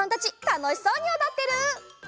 たのしそうにおどってる！